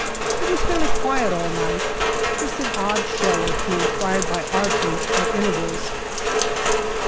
It was fairly quiet all night ; just an odd shell or two fired by our Fleet at intervals.